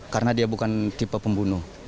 karena dia bukan tipe pembunuh